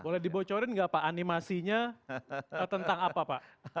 boleh dibocorin nggak pak animasinya tentang apa pak